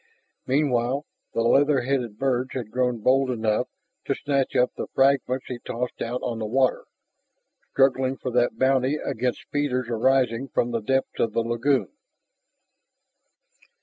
Meanwhile, the leather headed birds had grown bold enough to snatch up the fragments he tossed out on the water, struggling for that bounty against feeders arising from the depths of the lagoon.